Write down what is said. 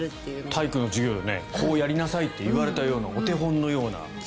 体育の授業でこうやりなさいと言われたようなお手本のような。